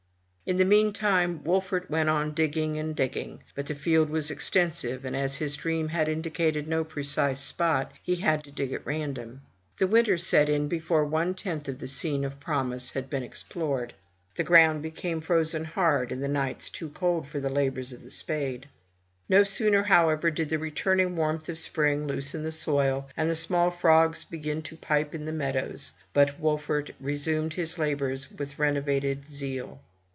In the meantime Wolfert went on digging and digging; but the field was extensive, and as his dream had indicated no precise spot, he had to dig at random. The winter set in before one tenth of the scene of promise had been explored. The ground became frozen hard, and the nights too cold for the labors of the spade. No sooner, however, did the returning warmth of spring loosen the soil, and the small frogs begin to pipe in the meadows, but Wolfert resumed his labors with renovated zeal.